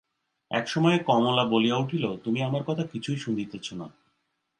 এক সময়ে কমলা বলিয়া উঠিল, তুমি আমার কথা কিছুই শুনিতেছ না।